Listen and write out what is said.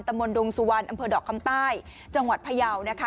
มนตงสุวรรณอำเภอดอกคำใต้จังหวัดพยาวนะคะ